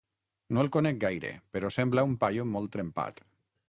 No el conec gaire, però sembla un paio molt trempat.